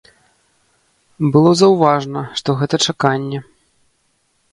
Было заўважна, што гэта чаканне.